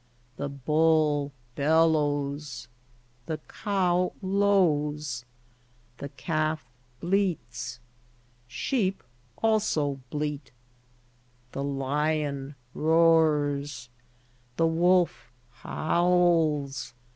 The bull bel lows. The cow lows. The calf bleats. Sheep al so bleat. The li on roars. The wolf howls.